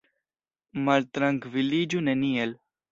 Maltrankviliĝu neniel.